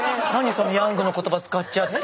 そのヤングの言葉使っちゃって。